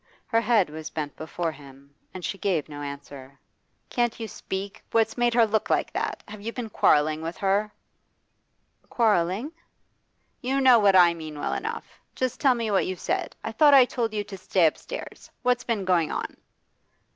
Her head was bent before him, and she gave no answer. 'Can't you speak? What's made her look like that? Have you been quarrelling with her?' 'Quarrelling?' 'You know what I mean well enough. Just tell me what you said. I thought I told you to stay upstairs? What's been going on?